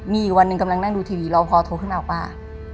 มีวันหนึ่งกำลังดูทีวีเราพอโทรขึ้นออกว่า